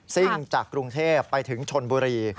่งจากกรุงเทพไปถึงชนบุรี